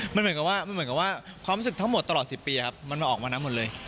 มันเหมือนกับว่าความรู้สึกทั้งหมดตลอด๑๐ปีครับมันออกมานั้นหมดเลย